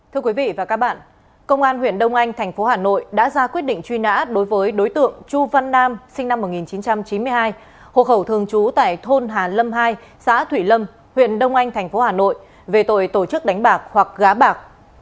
thưa quý vị và các bạn công an huyện đông anh thành phố hà nội đã ra quyết định truy nã đối với đối tượng chu văn nam sinh năm một nghìn chín trăm chín mươi hai hộ khẩu thường trú tại thôn hà lâm hai xã thủy lâm huyện đông anh tp hà nội về tội tổ chức đánh bạc hoặc gá bạc